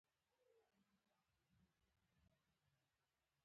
په میخانیکي، ترکاڼۍ، ویلډنګ کارۍ، تعمیراتو، فلزکارۍ او خیاطۍ کې کارول کېږي.